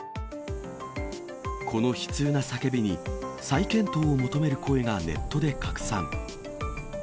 この悲痛な叫びに、再検討を求める声がネットで拡散。